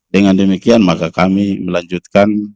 dengan demikian maka kami melanjutkan